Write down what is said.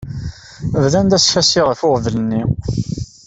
Bdan-d askasi ɣef uɣbel-nni.